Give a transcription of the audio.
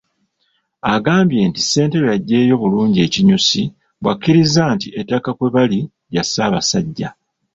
Agambye nti ssentebe aggyeeyo bulungi ekinyusi bw’akkiriza nti ettaka kwe bali lya Ssaabassajja.